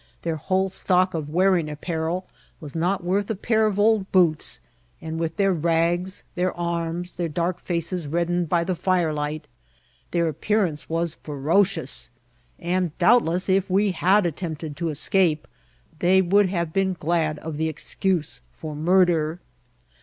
Their whole stock of wearing apparel was not worth a pair of old boots ; and with their rags, their arms, their dark feces reddened by the firelight, their iqppearance was ferocious ; and, doubtless, if we had attempted to escape, they would have been glad <^ the excuse for murder.